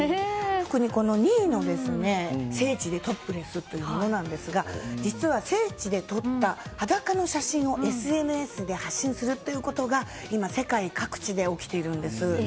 特に２位の、聖地でトップレスというものですが実は聖地で撮った裸の写真をＳＮＳで発信するということが今、世界各地で起きているんです。